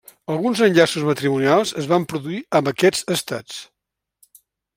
Alguns enllaços matrimonials es van produir amb aquests estats.